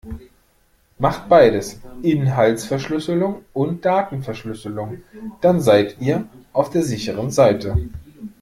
Macht beides, Inhaltsverschlüsselung und Datenverschlüsselung, dann seit ihr auf der sicheren Seite.